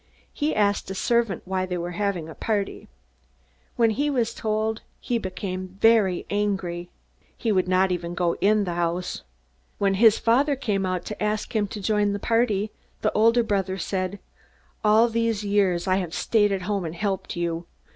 He asked a servant why they were having a party. When he was told, he became very angry. He would not even go into the house. When his father came out to ask him to join the party, the older brother said: 'All these years I have stayed at home and helped you!